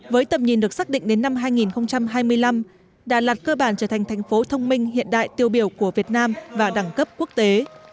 với tầm nhìn được xác định đến năm hai nghìn hai mươi năm đà lạt cơ bản trở thành thành phố thông minh hiện đại tiêu biểu của việt nam và đẳng cấp quốc tế